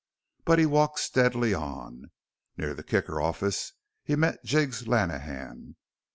But he walked steadily on. Near the Kicker office he met Jiggs Lenehan.